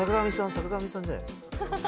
坂上さんじゃないですか？